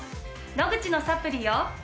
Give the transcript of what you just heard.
野口のサプリよ。